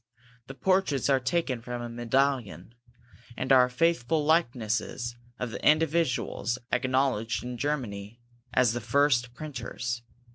The portraits are taken from a medallion, and are faithful likenesses of the individuals acknowledged in Germany as the first printers.